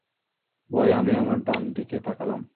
ভয়ে আমি আমার ডান দিকে তাকালাম।